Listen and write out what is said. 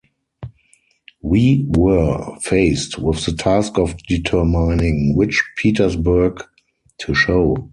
We were faced with the task of determining which Petersburg to show.